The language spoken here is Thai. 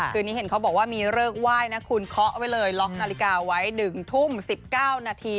คืนนี้เห็นเขาบอกว่ามีเลิกไหว้นะคุณเคาะไว้เลยล็อกนาฬิกาไว้๑ทุ่ม๑๙นาที